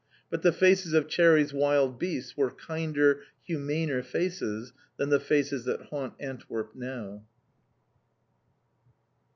But the faces of Cherry's wild beasts were kinder, humaner faces than the faces that haunt Antwerp now.